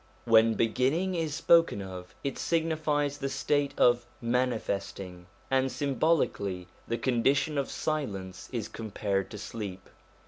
When beginning is spoken of, it signifies the state of manifesting; and symbolically, the condition of silence is compared to sleep.